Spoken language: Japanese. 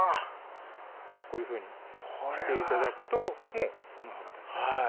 こういうふうにして頂くともう木の葉型ですね